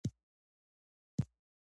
ماشومان د ټولنې ګلان دي.